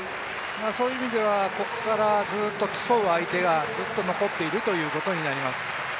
ここからずっと競う相手がずっと残っているということになります。